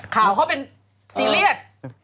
ข่าวเขาเป็นซีเรียส